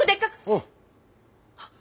ああ！